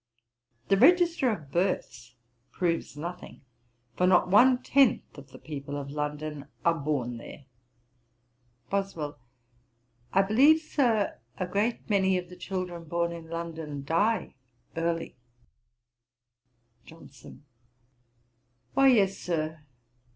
The register of births proves nothing, for not one tenth of the people of London are born there.' BOSWELL. 'I believe, Sir, a great many of the children born in London die early.' JOHNSON. 'Why, yes, Sir.'